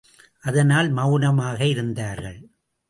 அதனால் மௌனமாக இருந்தார்கள்.